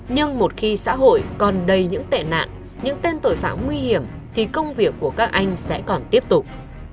nhưng một khi xã hội còn đầy những tệ nạn những tên tội phạm nguy hiểm thì công việc của các anh sẽ còn tiếp tục